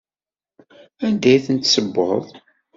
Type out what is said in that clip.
Anda ay tent-tessewweḍ?